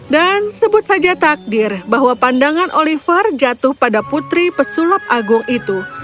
dan sebut saja takdir bahwa pandangan oliver jatuh pada putri pesulap agung itu